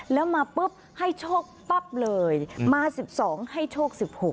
แล้วมาปุ๊บให้โชคปั๊บเลยมา๑๒ให้โชค๑๖